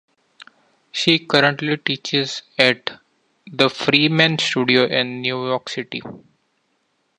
She currently teaches at the Freeman Studio in New York City.